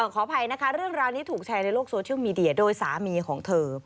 ขออภัยนะคะเรื่องราวนี้ถูกแชร์ในโลกโซเชียลมีเดียโดยสามีของเธอ